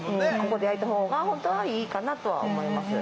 ここで焼いた方が本当はいいかなとは思います。